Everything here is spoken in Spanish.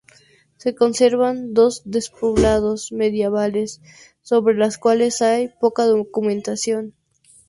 Se conservan dos despoblados medievales sobre los cuales hay poca documentación.